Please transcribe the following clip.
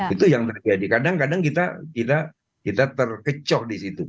itu yang terjadi kadang kadang kita terkecoh di situ